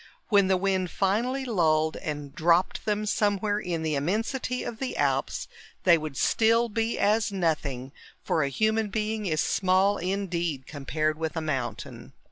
When the wind finally lulled and dropped them somewhere in the immensity of the Alps, they would still be as nothing, for a human being is small indeed compared with a mountain.